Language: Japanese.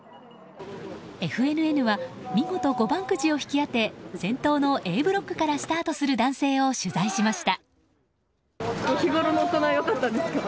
ＦＮＮは見事５番くじを引き当て先頭のＡブロックからスタートする男性を取材しました。